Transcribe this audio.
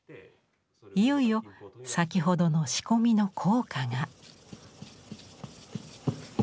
いよいよ先ほどの仕込みの効果が。